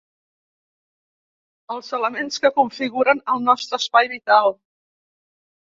Els elements que configuren el nostre espai vital.